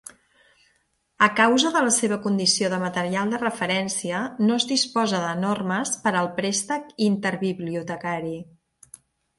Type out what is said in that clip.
A causa de la seva condició de material de referència, no es disposa de normes per al préstec interbibiliotecari.